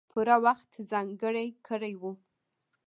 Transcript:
پوره وخت ځانګړی کړی وو.